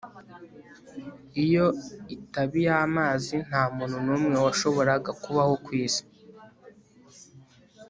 Iyo itaba iyamazi nta muntu numwe washoboraga kubaho ku isi